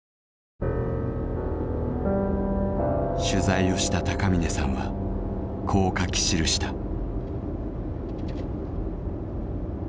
取材をした高峰さんはこう書き記した。